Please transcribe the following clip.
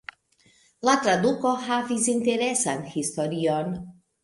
La traduko havis interesan historion.